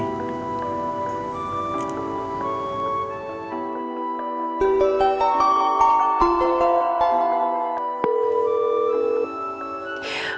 awas aja pak davin